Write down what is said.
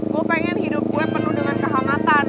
gue pengen hidup gue penuh dengan kehangatan